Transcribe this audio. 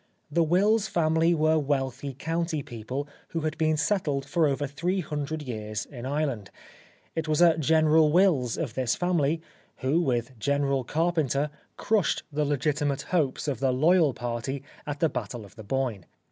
The Wills family were wealthy county people who had been settled for over three hundred years in Ireland. It was a General Wills of this family, who, with General Carpenter, crushed the legitimate hopes of the loyal party at the Battle of the Boyne.